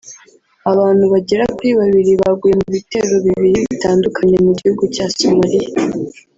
Abantu bagera kuri babiri baguye mu bitero bibiri bitandukanye mu gihugu cya Somalia